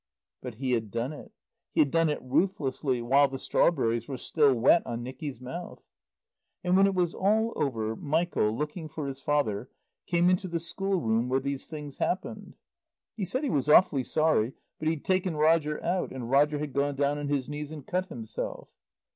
But he had done it. He had done it ruthlessly, while the strawberries were still wet on Nicky's mouth. And when it was all over Michael, looking for his father, came into the school room where these things happened. He said he was awfully sorry, but he'd taken Roger out, and Roger had gone down on his knees and cut himself.